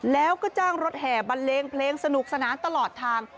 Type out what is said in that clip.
แล้วก็จ้างรถแห่บันเลงเพลงสนุกสนานตลอดทาง